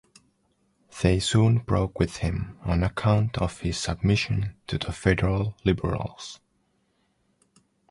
They soon broke with him on account of his submission to the federal Liberals.